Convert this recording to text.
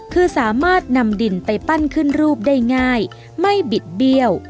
คือสามารถนำดินไปปั้นขึ้นรูปได้ง่ายไม่บิดเบี้ยว